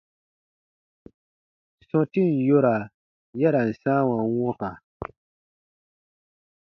Sɔ̃tin yora ya ra n sãawa wɔ̃ka.